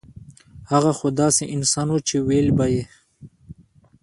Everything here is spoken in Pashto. هغه خو داسې انسان وو چې وييل به يې